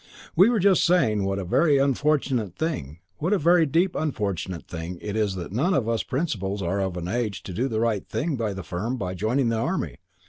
"We were just saying what a very unfortunate thing, what a very deeply unfortunate thing it is that none of us principals are of an age to do the right thing by the Firm by joining the Army.